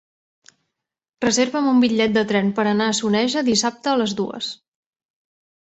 Reserva'm un bitllet de tren per anar a Soneja dissabte a les dues.